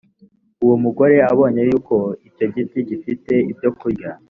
uwo mugore abonye yuko icyo giti gifite ibyokurya